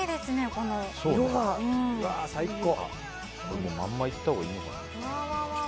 このまんまいったほうがいいのかな。